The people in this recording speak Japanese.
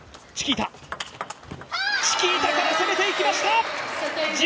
チキータから攻めていきました！